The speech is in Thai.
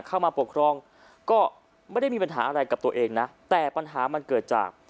เข้ามาปกครองก็ไม่ได้มีปัญหาอะไรกับตัวเองนะแต่ปัญหามันเกิดจาก